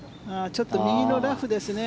ちょっと右のラフですね。